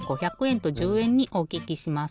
んと１０えんにおききします。